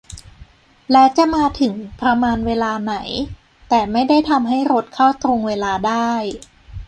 และจะมาถึงประมาณเวลาไหน - แต่ไม่ได้ทำให้รถเข้าตรงเวลาได้